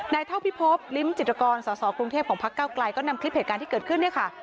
เท่าพิพบลิ้มจิตกรสอสอกรุงเทพของพักเก้าไกลก็นำคลิปเหตุการณ์ที่เกิดขึ้นเนี่ยค่ะ